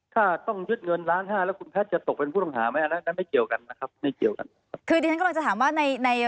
ถ้าต้องยึดเงินล้านห้าแล้วคุณแพทย์จะตกเป็นผู้ต้องหาไหม